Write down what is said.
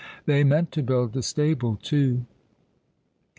They meant to build a stable too.